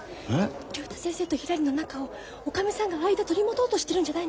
竜太先生とひらりの仲をおかみさんが間取り持とうとしてるんじゃないの！？